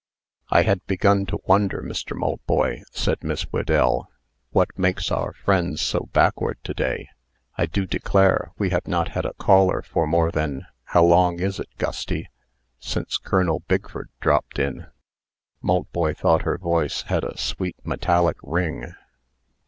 "I had begun to wonder, Mr. Maltboy," said Miss Whedell, "what makes our friends so backward to day. I do declare, we have not had a caller for more than how long is it, Gusty, since Colonel Bigford dropped in?" Maltboy thought her voice had a sweet, metallic ring.